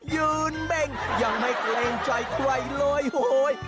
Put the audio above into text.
ยืนเบ้งยังไม่เกรงใจใครเลยโหย